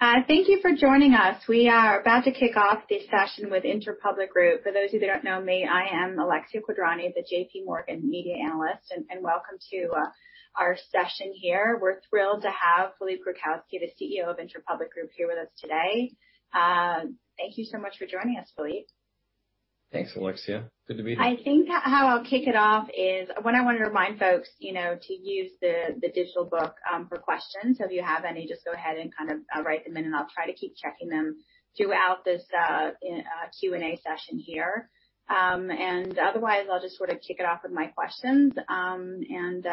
Thank you for joining us. We are about to kick off this session with Interpublic Group. For those of you that don't know me, I am Alexia Quadrani, the J.P. Morgan Media Analyst, and welcome to our session here. We're thrilled to have Philippe Krakowsky, the CEO of Interpublic Group, here with us today. Thank you so much for joining us, Philippe. Thanks, Alexia. Good to be here. I think how I'll kick it off is, I want to remind folks to use the digital book for questions. So if you have any, just go ahead and kind of write them in, and I'll try to keep checking them throughout this Q&A session here. And otherwise, I'll just sort of kick it off with my questions, and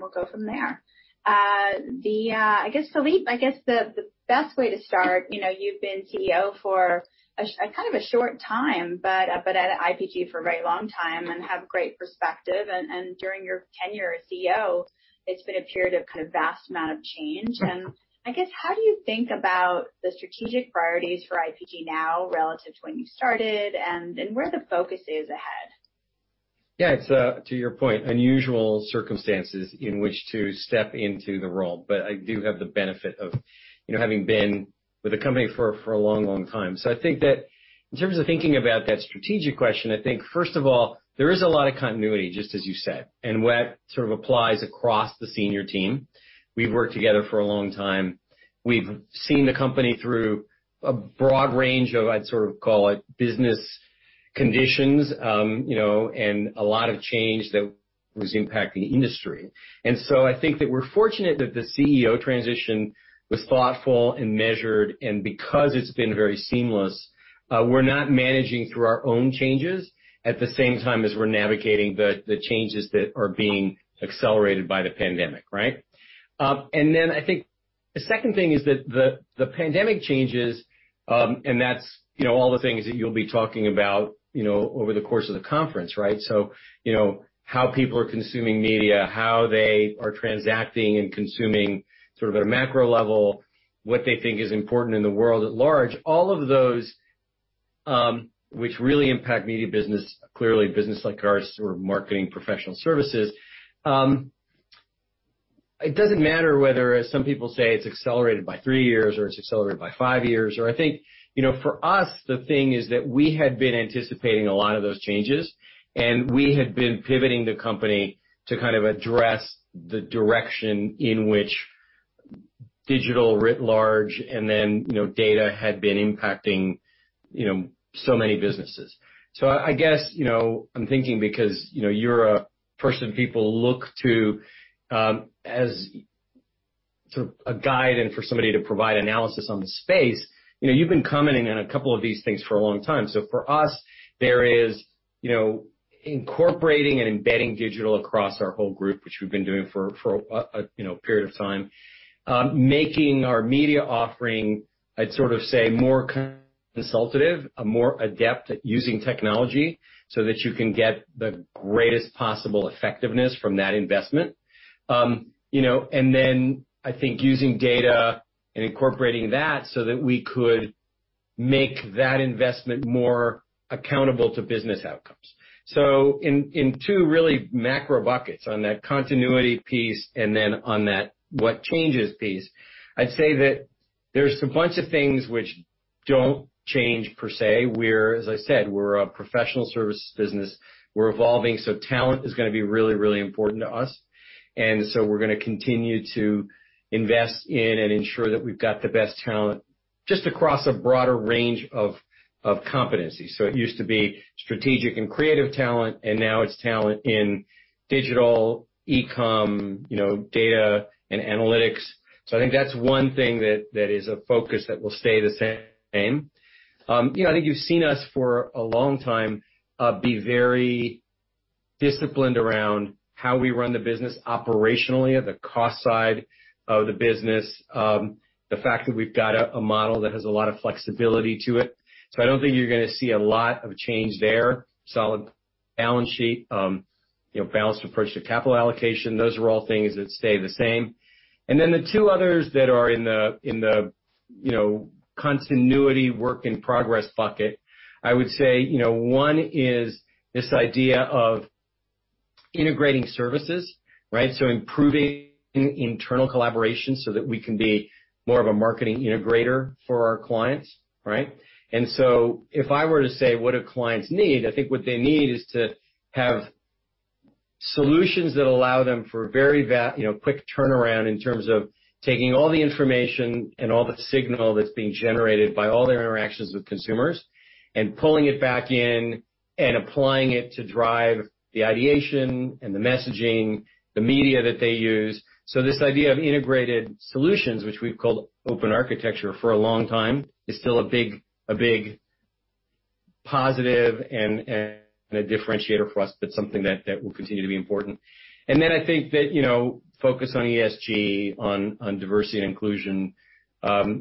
we'll go from there. I guess, Philippe, I guess the best way to start, you've been CEO for kind of a short time, but at IPG for a very long time, and have great perspective. And during your tenure as CEO, it's been a period of kind of vast amount of change. And I guess, how do you think about the strategic priorities for IPG now relative to when you started, and where the focus is ahead? Yeah, it's to your point, unusual circumstances in which to step into the role. But I do have the benefit of having been with the company for a long, long time. So I think that in terms of thinking about that strategic question, I think, first of all, there is a lot of continuity, just as you said, and that sort of applies across the senior team. We've worked together for a long time. We've seen the company through a broad range of, I'd sort of call it, business conditions and a lot of change that was impacting industry. And so I think that we're fortunate that the CEO transition was thoughtful and measured. And because it's been very seamless, we're not managing through our own changes at the same time as we're navigating the changes that are being accelerated by the pandemic, right? And then I think the second thing is that the pandemic changes, and that's all the things that you'll be talking about over the course of the conference, right? So how people are consuming media, how they are transacting and consuming sort of at a macro level, what they think is important in the world at large, all of those which really impact media business, clearly business like ours or marketing professional services. It doesn't matter whether some people say it's accelerated by three years or it's accelerated by five years. Or I think for us, the thing is that we had been anticipating a lot of those changes, and we had been pivoting the company to kind of address the direction in which digital writ large and then data had been impacting so many businesses. So I guess I'm thinking because you're a person people look to as sort of a guide and for somebody to provide analysis on the space, you've been commenting on a couple of these things for a long time. So for us, there is incorporating and embedding digital across our whole group, which we've been doing for a period of time, making our media offering, I'd sort of say, more consultative, a more adept at using technology so that you can get the greatest possible effectiveness from that investment. And then I think using data and incorporating that so that we could make that investment more accountable to business outcomes. So in two really macro buckets, on that continuity piece and then on that what changes piece, I'd say that there's a bunch of things which don't change per se. We're, as I said, a professional services business. We're evolving, so talent is going to be really, really important to us, and so we're going to continue to invest in and ensure that we've got the best talent just across a broader range of competencies, so it used to be strategic and creative talent, and now it's talent in digital, e-com, data, and analytics, so I think that's one thing that is a focus that will stay the same. I think you've seen us for a long time be very disciplined around how we run the business operationally at the cost side of the business, the fact that we've got a model that has a lot of flexibility to it, so I don't think you're going to see a lot of change there. Solid balance sheet, balanced approach to capital allocation, those are all things that stay the same. And then the two others that are in the continuity work in progress bucket, I would say one is this idea of integrating services, right? So improving internal collaboration so that we can be more of a marketing integrator for our clients, right? And so if I were to say, what do clients need, I think what they need is to have solutions that allow them for very quick turnaround in terms of taking all the information and all the signal that's being generated by all their interactions with consumers and pulling it back in and applying it to drive the ideation and the messaging, the media that they use. So this idea of integrated solutions, which we've called Open Architecture for a long time, is still a big positive and a differentiator for us, but something that will continue to be important. And then I think that focus on ESG, on diversity and inclusion,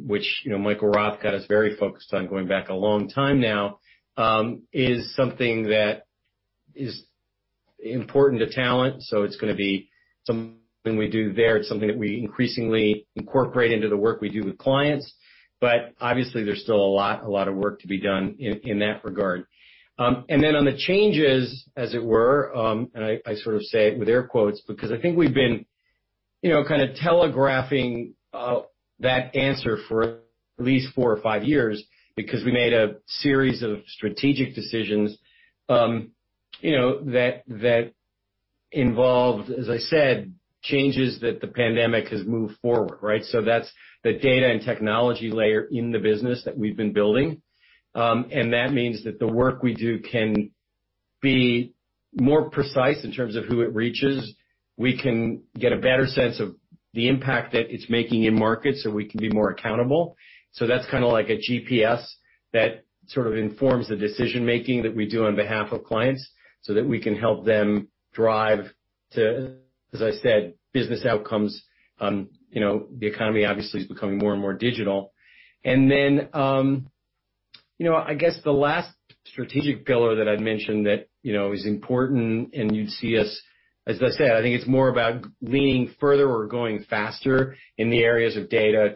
which Michael Roth got us very focused on going back a long time now, is something that is important to talent. So it's going to be something we do there. It's something that we increasingly incorporate into the work we do with clients. But obviously, there's still a lot of work to be done in that regard. And then on the changes, as it were, and I sort of say it with air quotes because I think we've been kind of telegraphing that answer for at least four or five years because we made a series of strategic decisions that involved, as I said, changes that the pandemic has moved forward, right? So that's the data and technology layer in the business that we've been building. And that means that the work we do can be more precise in terms of who it reaches. We can get a better sense of the impact that it's making in markets so we can be more accountable. So that's kind of like a GPS that sort of informs the decision-making that we do on behalf of clients so that we can help them drive to, as I said, business outcomes. The economy obviously is becoming more and more digital. And then I guess the last strategic pillar that I'd mentioned that is important and you'd see us, as I said, I think it's more about leaning further or going faster in the areas of data,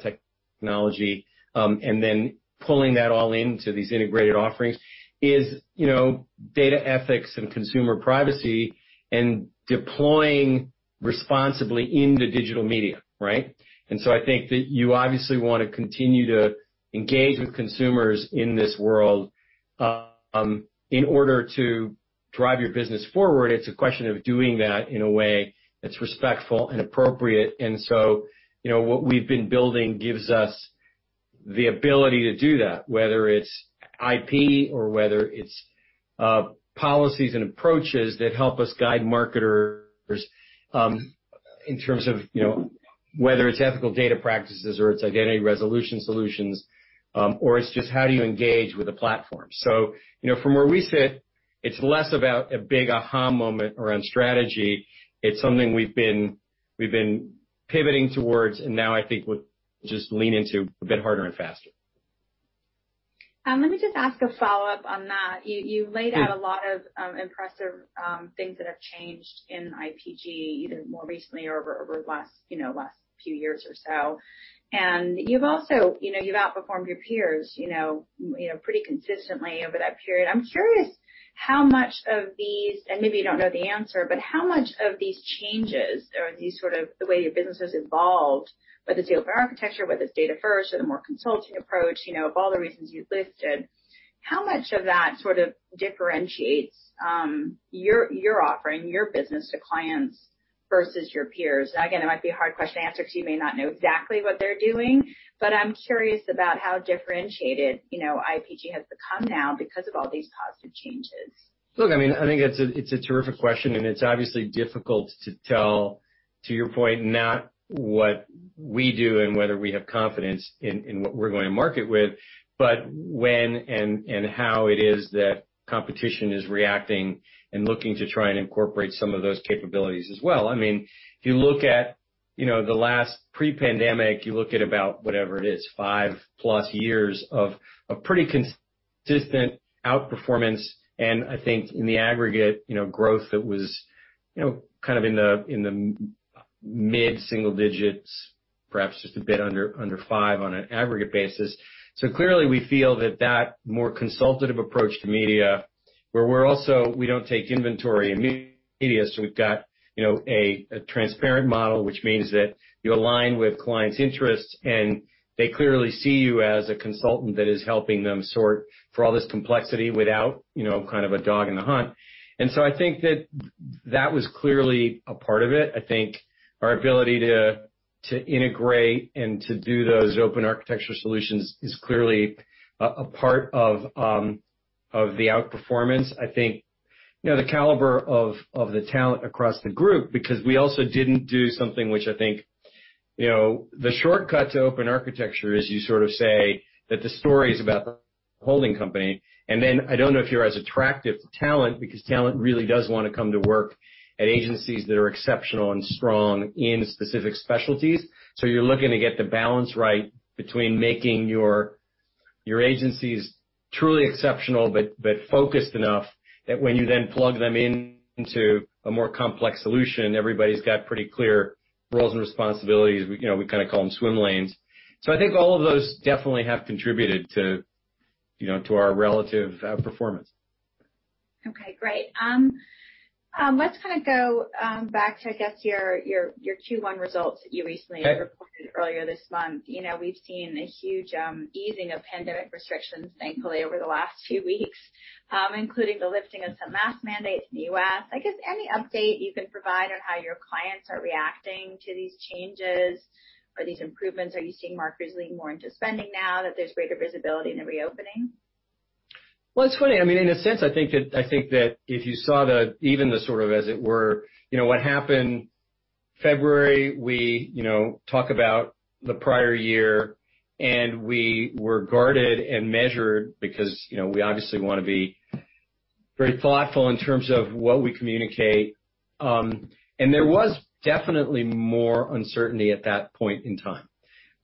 technology, and then pulling that all into these integrated offerings is data ethics and consumer privacy and deploying responsibly into digital media, right? And so I think that you obviously want to continue to engage with consumers in this world in order to drive your business forward. It's a question of doing that in a way that's respectful and appropriate. And so what we've been building gives us the ability to do that, whether it's IP or whether it's policies and approaches that help us guide marketers in terms of whether it's ethical data practices or it's identity resolution solutions, or it's just how do you engage with a platform. So from where we sit, it's less about a big aha moment around strategy. It's something we've been pivoting towards, and now I think we'll just lean into a bit harder and faster. Let me just ask a follow-up on that. You laid out a lot of impressive things that have changed in IPG either more recently or over the last few years or so. And you've also outperformed your peers pretty consistently over that period. I'm curious how much of these, and maybe you don't know the answer, but how much of these changes or the way your business has evolved, whether it's the Open Architecture, whether it's data-first or the more consulting approach, of all the reasons you've listed, how much of that sort of differentiates your offering, your business to clients versus your peers? And again, it might be a hard question to answer because you may not know exactly what they're doing, but I'm curious about how differentiated IPG has become now because of all these positive changes. Look, I mean, I think it's a terrific question, and it's obviously difficult to tell, to your point, not what we do and whether we have confidence in what we're going to market with, but when and how it is that competition is reacting and looking to try and incorporate some of those capabilities as well. I mean, if you look at the last pre-pandemic, you look at about whatever it is, five-plus years of pretty consistent outperformance. And I think in the aggregate growth, it was kind of in the mid-single digits, perhaps just a bit under five on an aggregate basis. So clearly, we feel that that more consultative approach to media, where we don't take inventory in media, so we've got a transparent model, which means that you align with clients' interests, and they clearly see you as a consultant that is helping them sort for all this complexity without kind of a dog in the hunt. And so I think that that was clearly a part of it. I think our ability to integrate and to do those Open Architecture solutions is clearly a part of the outperformance. I think the caliber of the talent across the group, because we also didn't do something which I think the shortcut to Open Architecture is you sort of say that the story is about the holding company. And then I don't know if you're as attractive to talent because talent really does want to come to work at agencies that are exceptional and strong in specific specialties. So you're looking to get the balance right between making your agencies truly exceptional but focused enough that when you then plug them into a more complex solution, everybody's got pretty clear roles and responsibilities. We kind of call them swim lanes. So I think all of those definitely have contributed to our relative outperformance. Okay, great. Let's kind of go back to, I guess, your Q1 results that you recently reported earlier this month. We've seen a huge easing of pandemic restrictions, thankfully, over the last few weeks, including the lifting of some mask mandates in the U.S. I guess any update you can provide on how your clients are reacting to these changes or these improvements? Are you seeing marketers lean more into spending now that there's greater visibility in the reopening? Well, it's funny. I mean, in a sense, I think that if you saw even the sort of, as it were, what happened February, we talk about the prior year, and we were guarded and measured because we obviously want to be very thoughtful in terms of what we communicate. And there was definitely more uncertainty at that point in time.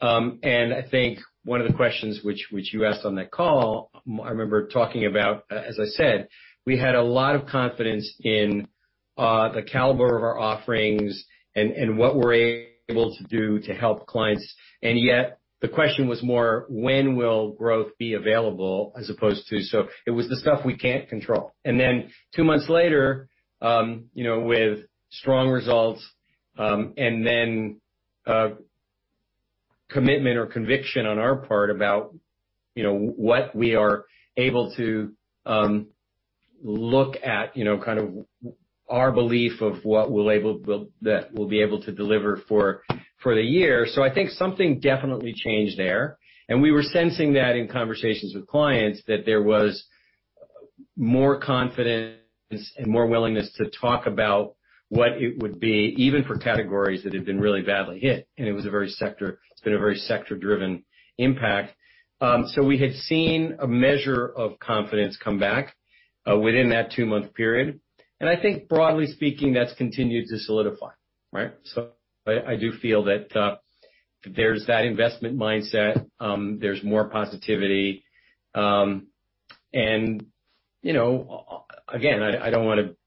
And I think one of the questions which you asked on that call, I remember talking about, as I said, we had a lot of confidence in the caliber of our offerings and what we're able to do to help clients. And yet the question was more, when will growth be available as opposed to? So it was the stuff we can't control. Two months later, with strong results and then commitment or conviction on our part about what we are able to look at, kind of our belief of what we'll be able to deliver for the year. I think something definitely changed there. We were sensing that in conversations with clients that there was more confidence and more willingness to talk about what it would be, even for categories that had been really badly hit. It's been a very sector-driven impact. We had seen a measure of confidence come back within that two-month period. I think broadly speaking, that's continued to solidify, right? I do feel that there's that investment mindset. There's more positivity. And again, I don't want to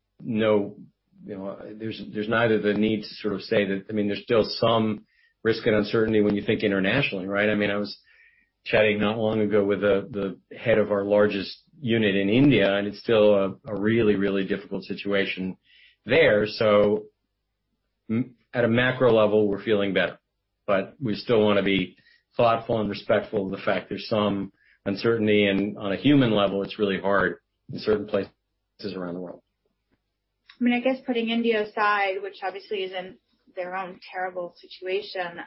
know there's neither the need to sort of say that. I mean, there's still some risk and uncertainty when you think internationally, right? I mean, I was chatting not long ago with the head of our largest unit in India, and it's still a really, really difficult situation there. So at a macro level, we're feeling better, but we still want to be thoughtful and respectful of the fact there's some uncertainty. And on a human level, it's really hard in certain places around the world. I mean, I guess putting India aside, which obviously is in its own terrible situation,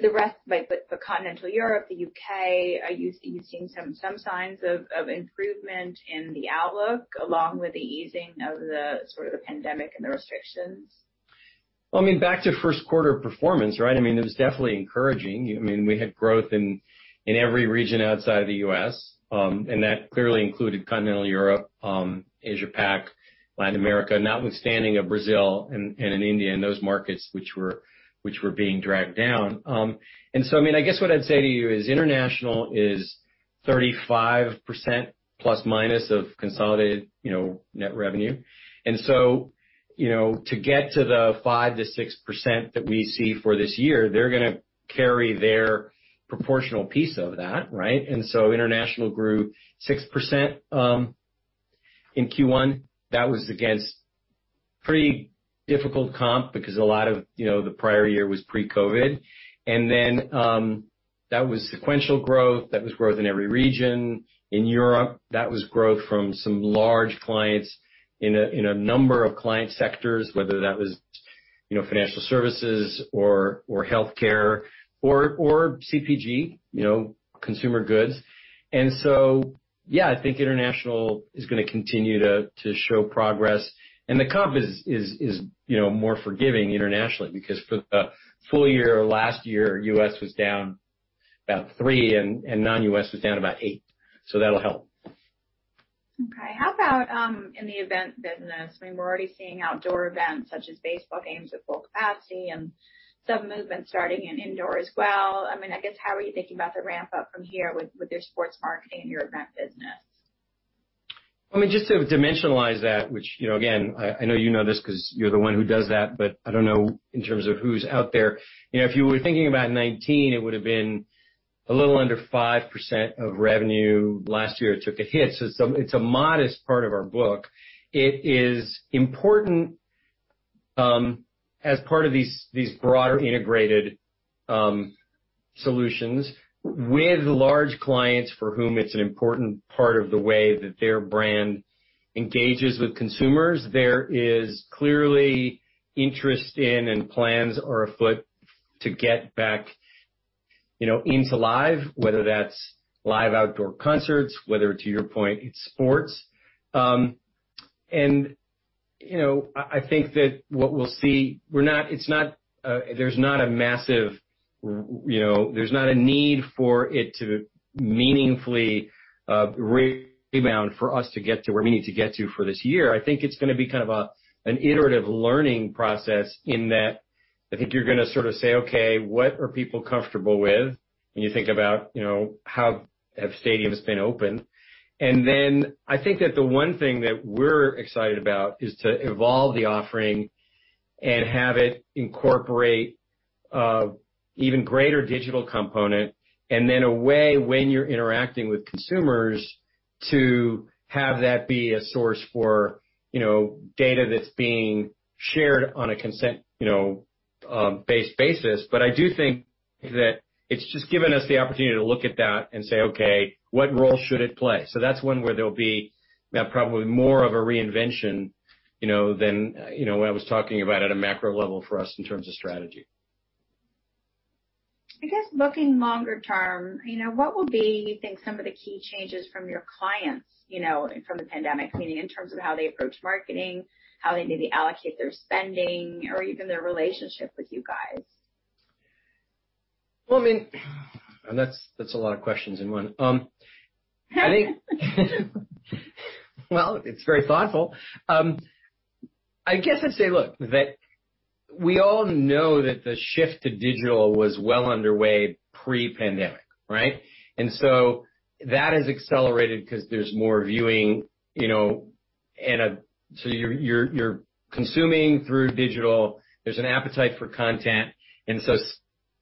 the rest. But Continental Europe, the U.K., you've seen some signs of improvement in the outlook along with the easing of the sort of pandemic and the restrictions? I mean, back to first quarter performance, right? I mean, it was definitely encouraging. I mean, we had growth in every region outside of the U.S., and that clearly included continental Europe, Asia-Pac, Latin America, notwithstanding of Brazil and India and those markets which were being dragged down. And so, I mean, I guess what I'd say to you is international is 35% plus minus of consolidated net revenue. And so to get to the 5%-6% that we see for this year, they're going to carry their proportional piece of that, right? And so international grew 6% in Q1. That was against pretty difficult comp because a lot of the prior year was pre-COVID. And then that was sequential growth. That was growth in every region. In Europe, that was growth from some large clients in a number of client sectors, whether that was financial services or healthcare or CPG, consumer goods, and so, yeah, I think international is going to continue to show progress, and the comp is more forgiving internationally because for the full year last year, U.S. was down about 3% and non-U.S. was down about 8%, so that'll help. Okay. How about in the event business? I mean, we're already seeing outdoor events such as baseball games with full capacity and some movement starting in indoor as well. I mean, I guess how are you thinking about the ramp-up from here with your sports marketing and your event business? Well, I mean, just to dimensionalize that, which again, I know you know this because you're the one who does that, but I don't know in terms of who's out there. If you were thinking about 2019, it would have been a little under 5% of revenue. Last year, it took a hit. So it's a modest part of our book. It is important as part of these broader integrated solutions with large clients for whom it's an important part of the way that their brand engages with consumers. There is clearly interest in and plans are afoot to get back into live, whether that's live outdoor concerts, whether to your point, it's sports. And I think that what we'll see, it's not that there's a massive need for it to meaningfully rebound for us to get to where we need to get to for this year. I think it's going to be kind of an iterative learning process in that I think you're going to sort of say, "Okay, what are people comfortable with?" When you think about how have stadiums been open? And then I think that the one thing that we're excited about is to evolve the offering and have it incorporate an even greater digital component and then a way when you're interacting with consumers to have that be a source for data that's being shared on a consent-based basis. But I do think that it's just given us the opportunity to look at that and say, "Okay, what role should it play?" So that's one where there'll be probably more of a reinvention than what I was talking about at a macro level for us in terms of strategy. I guess looking longer term, what will be, you think, some of the key changes from your clients from the pandemic, meaning in terms of how they approach marketing, how they maybe allocate their spending, or even their relationship with you guys? Well, I mean, that's a lot of questions in one. Well, it's very thoughtful. I guess I'd say, look, that we all know that the shift to digital was well underway pre-pandemic, right? And so that has accelerated because there's more viewing. And so you're consuming through digital. There's an appetite for content. And so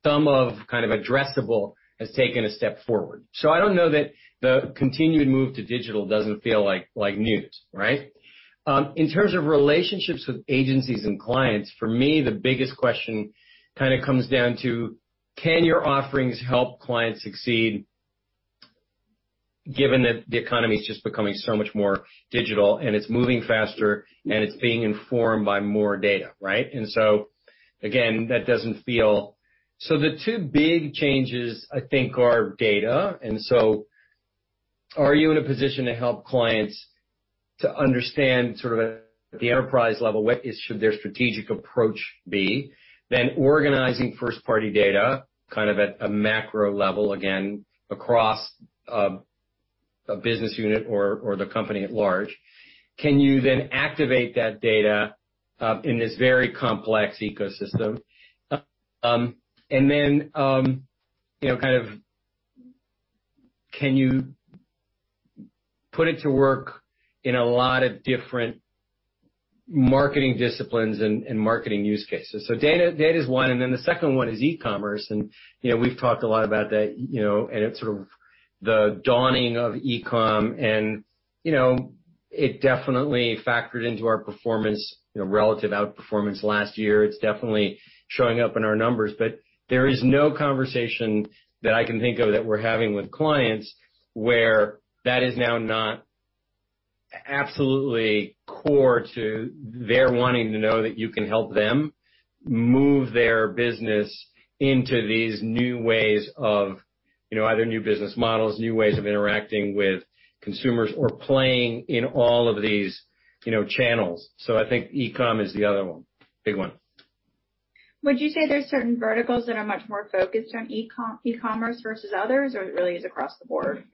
some of kind of addressable has taken a step forward. So I don't know that the continued move to digital doesn't feel like news, right? In terms of relationships with agencies and clients, for me, the biggest question kind of comes down to, can your offerings help clients succeed given that the economy is just becoming so much more digital and it's moving faster and it's being informed by more data, right? And so again, that doesn't feel so the two big changes, I think, are data. And so are you in a position to help clients understand sort of at the enterprise level what should their strategic approach be? Then organizing first-party data kind of at a macro level, again, across a business unit or the company at large. Can you then activate that data in this very complex ecosystem? And then kind of can you put it to work in a lot of different marketing disciplines and marketing use cases? So data is one. And then the second one is e-commerce. And we've talked a lot about that and sort of the dawning of e-com. And it definitely factored into our performance, relative outperformance last year. It's definitely showing up in our numbers. But there is no conversation that I can think of that we're having with clients where that is now not absolutely core to their wanting to know that you can help them move their business into these new ways of either new business models, new ways of interacting with consumers, or playing in all of these channels. So I think e-com is the other one, big one. Would you say there are certain verticals that are much more focused on e-commerce versus others, or it really is across the board?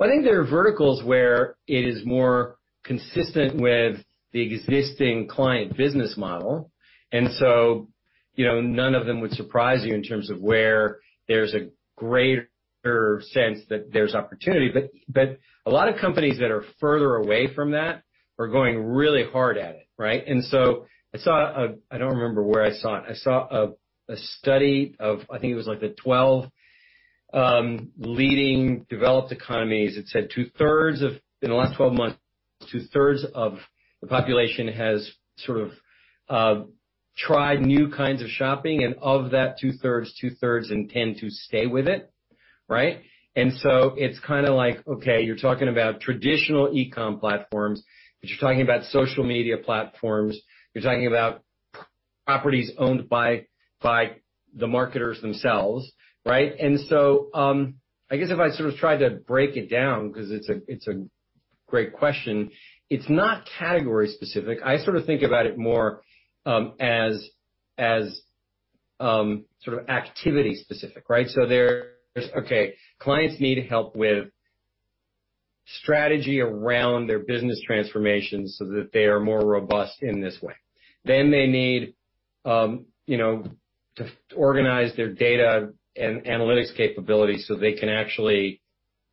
I think there are verticals where it is more consistent with the existing client business model. And so none of them would surprise you in terms of where there's a greater sense that there's opportunity. But a lot of companies that are further away from that are going really hard at it, right? And so I don't remember where I saw it. I saw a study of, I think it was like the 12 leading developed economies. It said two-thirds of in the last 12 months, two-thirds of the population has sort of tried new kinds of shopping. And of that two-thirds, two-thirds intend to stay with it, right? And so it's kind of like, okay, you're talking about traditional e-com platforms, but you're talking about social media platforms. You're talking about properties owned by the marketers themselves, right? And so, I guess if I sort of tried to break it down because it's a great question, it's not category-specific. I sort of think about it more as sort of activity-specific, right? So there's, okay, clients need help with strategy around their business transformation so that they are more robust in this way. Then they need to organize their data and analytics capability so they can actually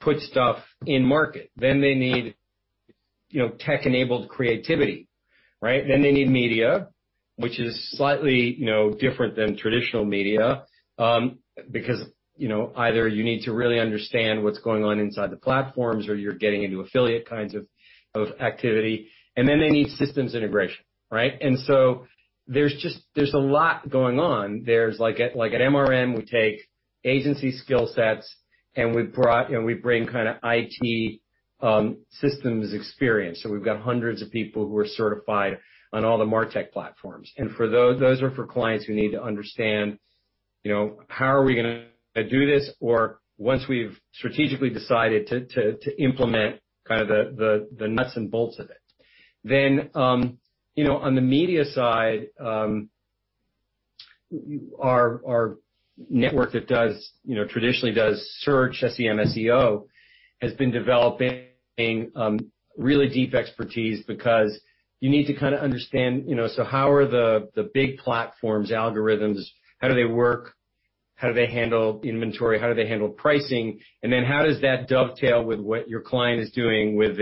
put stuff in market. Then they need tech-enabled creativity, right? Then they need media, which is slightly different than traditional media because either you need to really understand what's going on inside the platforms or you're getting into affiliate kinds of activity. And then they need systems integration, right? And so there's a lot going on. There's like at MRM, we take agency skill sets, and we bring kind of IT systems experience. We've got hundreds of people who are certified on all the MarTech platforms. Those are for clients who need to understand, how are we going to do this, or once we've strategically decided to implement kind of the nuts and bolts of it. On the media side, our network that traditionally does search, SEM, SEO, has been developing really deep expertise because you need to kind of understand, so how are the big platforms' algorithms? How do they work? How do they handle inventory? How do they handle pricing, and then how does that dovetail with what your client is doing with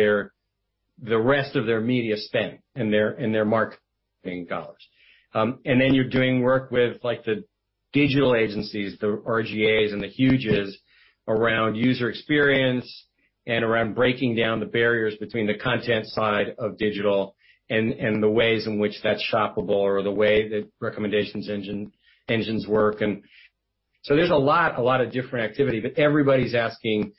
the rest of their media spend and their marketing dollars? And then you're doing work with the digital agencies, the R/GAs, and the Huges around user experience and around breaking down the barriers between the content side of digital and the ways in which that's shoppable or the way that recommendations engines work. And so there's a lot of different activity, but everybody's asking,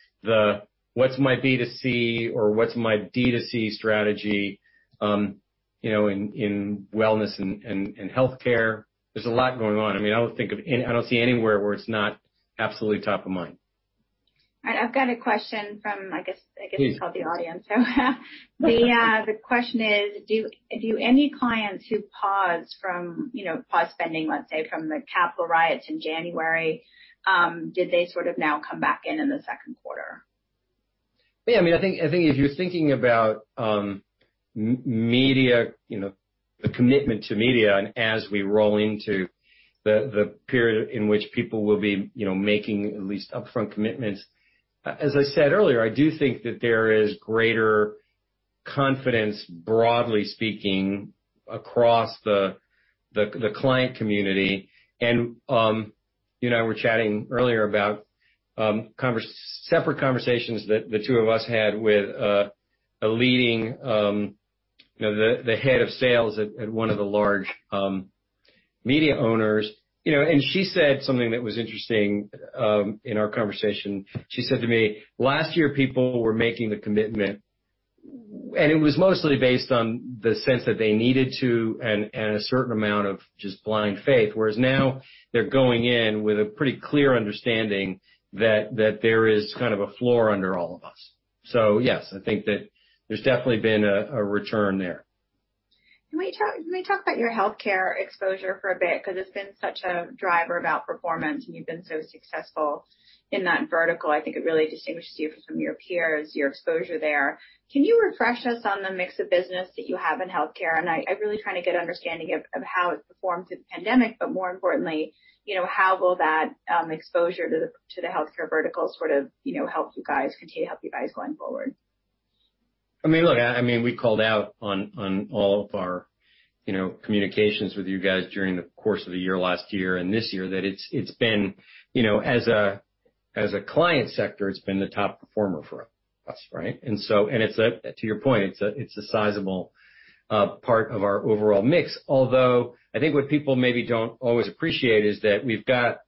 what's my B2C or what's my DTC strategy in wellness and healthcare? There's a lot going on. I mean, I don't think of any. I don't see anywhere where it's not absolutely top of mind. All right. I've got a question from, I guess it's called the audience. So the question is, do any clients who pause spending, let's say, from the Capitol riots in January, did they sort of now come back in in the second quarter? Yeah. I mean, I think if you're thinking about media, the commitment to media, and as we roll into the period in which people will be making at least upfront commitments, as I said earlier, I do think that there is greater confidence, broadly speaking, across the client community, and you and I were chatting earlier about separate conversations that the two of us had with the leading head of sales at one of the large media owners. And she said something that was interesting in our conversation. She said to me, "Last year, people were making the commitment, and it was mostly based on the sense that they needed to and a certain amount of just blind faith, whereas now they're going in with a pretty clear understanding that there is kind of a floor under all of us." So yes, I think that there's definitely been a return there. Can we talk about your healthcare exposure for a bit? Because it's been such a driver of outperformance, and you've been so successful in that vertical. I think it really distinguishes you from some of your peers, your exposure there. Can you refresh us on the mix of business that you have in healthcare? And I'm really trying to get an understanding of how it's performed through the pandemic, but more importantly, how will that exposure to the healthcare vertical sort of help you guys continue going forward? I mean, look, I mean, we called out on all of our communications with you guys during the course of the year last year and this year that it's been, as a client sector, it's been the top performer for us, right? And to your point, it's a sizable part of our overall mix. Although I think what people maybe don't always appreciate is that we've got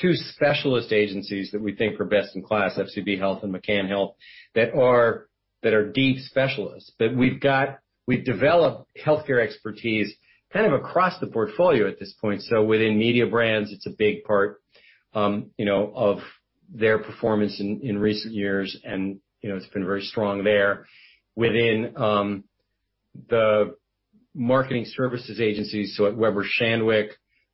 two specialist agencies that we think are best in class, FCB Health and McCann Health, that are deep specialists. But we've developed healthcare expertise kind of across the portfolio at this point. So within Mediabrands, it's a big part of their performance in recent years, and it's been very strong there. Within the marketing services agencies, so at Weber Shandwick,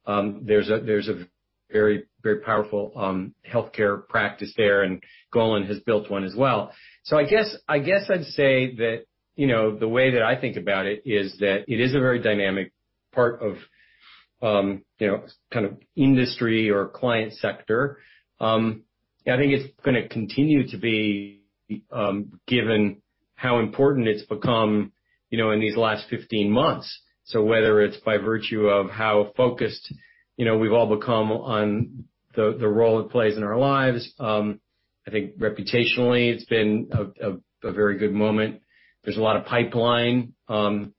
there's a very, very powerful healthcare practice there, and Golin has built one as well. I guess I'd say that the way that I think about it is that it is a very dynamic part of kind of industry or client sector. I think it's going to continue to be given how important it's become in these last 15 months. Whether it's by virtue of how focused we've all become on the role it plays in our lives, I think reputationally, it's been a very good moment. There's a lot of pipeline in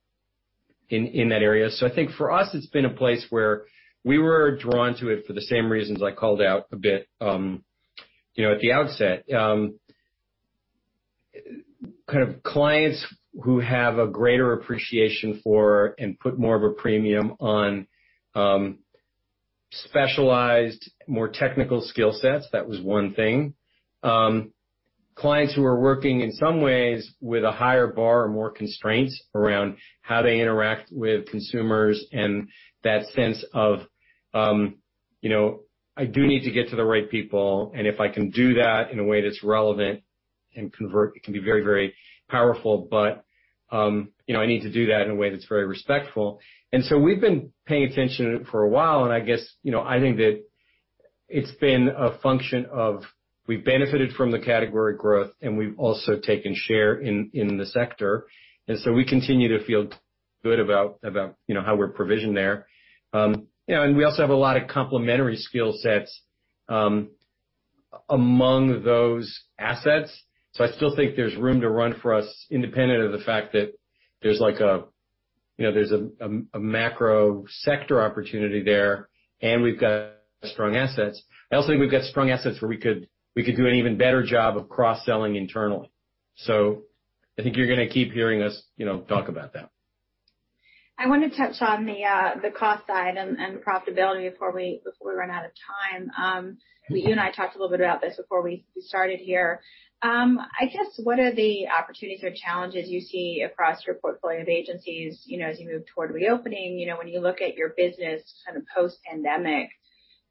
that area. I think for us, it's been a place where we were drawn to it for the same reasons I called out a bit at the outset. Kind of clients who have a greater appreciation for and put more of a premium on specialized, more technical skill sets, that was one thing. Clients who are working in some ways with a higher bar or more constraints around how they interact with consumers and that sense of, "I do need to get to the right people, and if I can do that in a way that's relevant and convert, it can be very, very powerful, but I need to do that in a way that's very respectful," and so we've been paying attention for a while, and I guess I think that it's been a function of we've benefited from the category growth, and we've also taken share in the sector, and so we continue to feel good about how we're provisioned there, and we also have a lot of complementary skill sets among those assets, so I still think there's room to run for us independent of the fact that there's a macro sector opportunity there, and we've got strong assets. I also think we've got strong assets where we could do an even better job of cross-selling internally. So I think you're going to keep hearing us talk about that. I want to touch on the cost side and profitability before we run out of time. You and I talked a little bit about this before we started here. I guess what are the opportunities or challenges you see across your portfolio of agencies as you move toward reopening? When you look at your business kind of post-pandemic,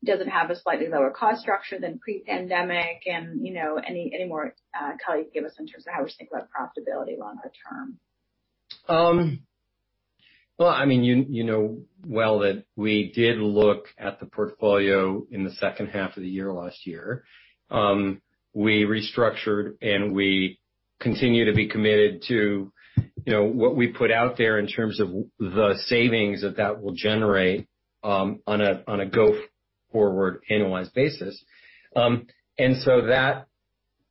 does it have a slightly lower cost structure than pre-pandemic? And any more color give us in terms of how we should think about profitability longer term? I mean, you know well that we did look at the portfolio in the second half of the year last year. We restructured, and we continue to be committed to what we put out there in terms of the savings that that will generate on a go-forward annualized basis. That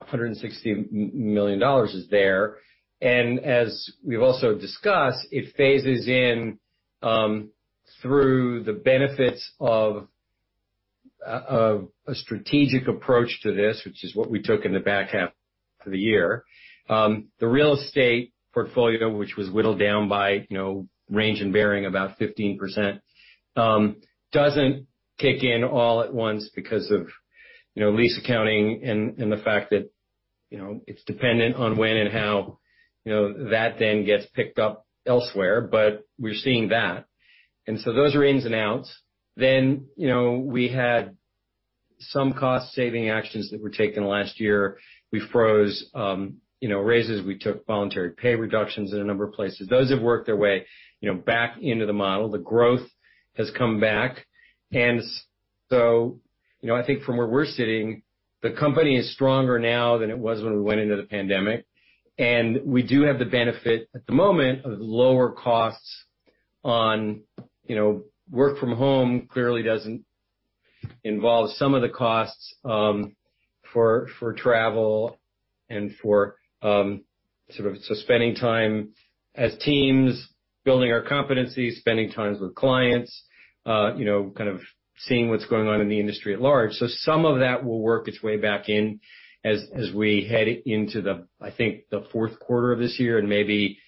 $160 million is there. As we've also discussed, it phases in through the benefits of a strategic approach to this, which is what we took in the back half of the year. The real estate portfolio, which was whittled down by roughly 15%, doesn't kick in all at once because of lease accounting and the fact that it's dependent on when and how that then gets picked up elsewhere. We're seeing that. Those are ins and outs. We had some cost-saving actions that were taken last year. We froze raises. We took voluntary pay reductions in a number of places. Those have worked their way back into the model. The growth has come back. And so I think from where we're sitting, the company is stronger now than it was when we went into the pandemic. And we do have the benefit at the moment of lower costs on work from home clearly doesn't involve some of the costs for travel and for sort of spending time as teams, building our competencies, spending time with clients, kind of seeing what's going on in the industry at large. So some of that will work its way back in as we head into the, I think, the fourth quarter of this year and maybe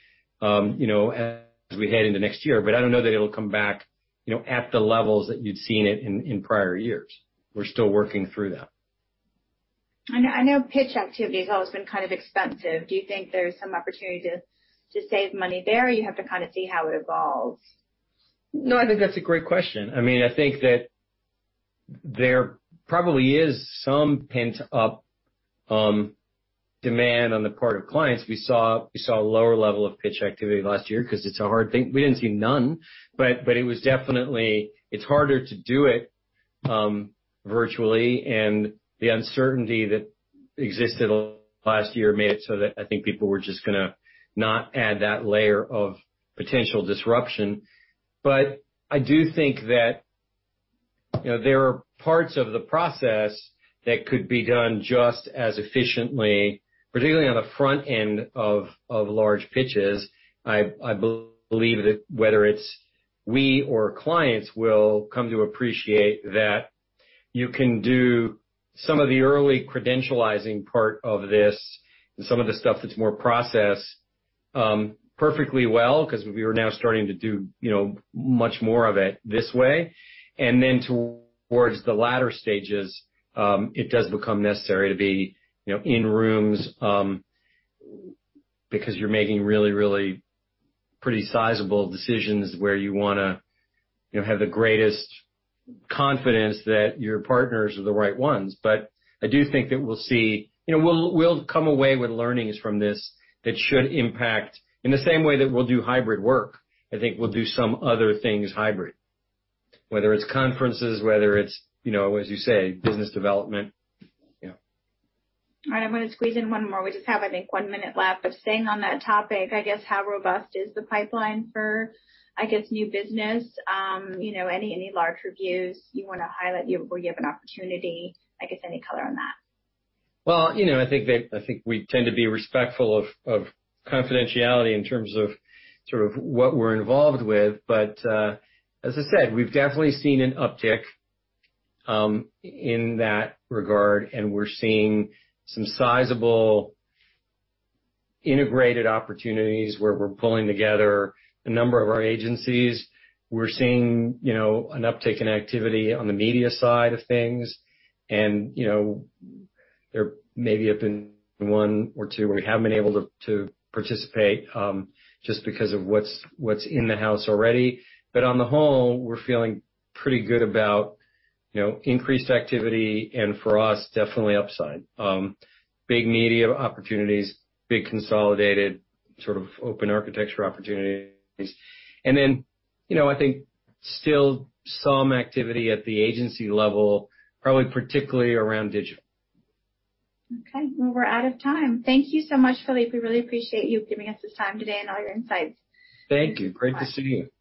as we head into next year. But I don't know that it'll come back at the levels that you'd seen it in prior years. We're still working through that. I know pitch activity has always been kind of expensive. Do you think there's some opportunity to save money there, or you have to kind of see how it evolves? No, I think that's a great question. I mean, I think that there probably is some pent-up demand on the part of clients. We saw a lower level of pitch activity last year because it's a hard thing. We didn't see none, but it was definitely harder to do it virtually, and the uncertainty that existed last year made it so that I think people were just going to not add that layer of potential disruption, but I do think that there are parts of the process that could be done just as efficiently, particularly on the front end of large pitches. I believe that whether it's we or clients will come to appreciate that you can do some of the early credentialing part of this and some of the stuff that's more process perfectly well because we are now starting to do much more of it this way. And then towards the latter stages, it does become necessary to be in rooms because you're making really, really pretty sizable decisions where you want to have the greatest confidence that your partners are the right ones. But I do think that we'll see, we'll come away with learnings from this that should impact in the same way that we'll do hybrid work. I think we'll do some other things hybrid, whether it's conferences, whether it's, as you say, business development. All right. I'm going to squeeze in one more. We just have, I think, one minute left. But staying on that topic, I guess, how robust is the pipeline for, I guess, new business? Any larger views you want to highlight where you have an opportunity? I guess any color on that. I think we tend to be respectful of confidentiality in terms of sort of what we're involved with. But as I said, we've definitely seen an uptick in that regard, and we're seeing some sizable integrated opportunities where we're pulling together a number of our agencies. We're seeing an uptick in activity on the media side of things. There may be one or two where we haven't been able to participate just because of what's in the house already. But on the whole, we're feeling pretty good about increased activity and, for us, definitely upside. Big media opportunities, big consolidated sort of Open Architecture opportunities. Then I think still some activity at the agency level, probably particularly around digital. Okay. Well, we're out of time. Thank you so much, Philippe. We really appreciate you giving us this time today and all your insights. Thank you. Great to see you. All right. All right.